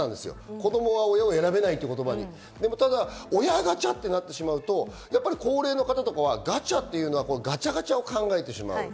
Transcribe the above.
子供は親を選べないって言葉にでも親ガチャってなると高齢の方とかはガチャっていうのはガチャガチャを考えてしまう。